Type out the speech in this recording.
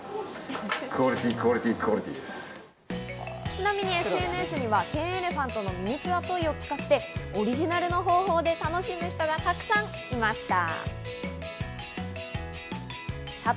ちなみにＳＮＳにはケンエレファントのミニチュアトイを使ってオリジナルの方法で楽しむ人がたくさんいました。